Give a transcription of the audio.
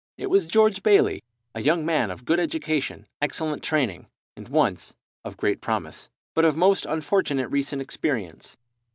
It was George Bayley, a young man of good education, excellent training, and once of great promise, but of most unfortunate recent experience.